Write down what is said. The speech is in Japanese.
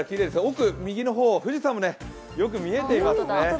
奥、右の方、富士山もよく見えていますね。